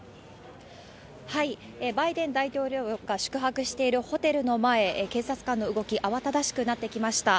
バイデン大統領が宿泊しているホテルの前、警察官の動き、慌ただしくなってきました。